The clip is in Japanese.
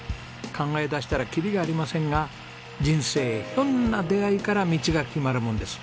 考え出したらきりがありませんが人生ひょんな出会いから道が決まるものです。